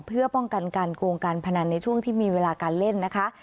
เพื่อป้องกันการโกงการพนันในช่วงที่มีเวลาการเล่นนะคะ